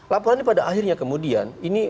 laporannya pada akhirnya kemudian ini